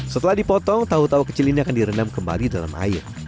setelah dipotong tahu tahu kecil ini akan direndam kembali dalam air